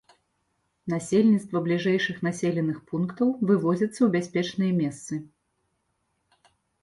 Насельніцтва бліжэйшых населеных пунктаў вывозіцца ў бяспечныя месцы.